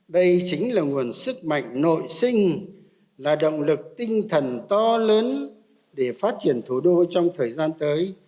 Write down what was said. đây chính là nguồn sức mạnh nội sinh là động lực tinh thần to lớn để phát triển thủ đô trong thời gian tới